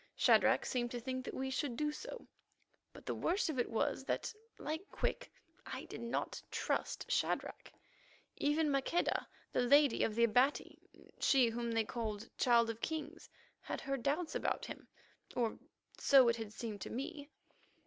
Shadrach seemed to think that we should do so, but the worst of it was that, like Quick, I did not trust Shadrach. Even Maqueda, the Lady of the Abati, she whom they called Child of Kings, had her doubts about him, or so it had seemed to me.